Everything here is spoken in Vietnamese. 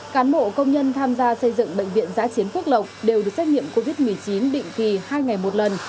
cán bộ công nhân tham gia xây dựng bệnh viện giã chiến phước lộc đều được xét nghiệm covid một mươi chín định kỳ hai ngày một lần